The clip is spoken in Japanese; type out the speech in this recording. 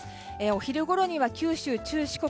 お昼ごろには九州中四国